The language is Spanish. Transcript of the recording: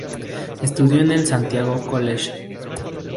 Estudió en el Santiago College.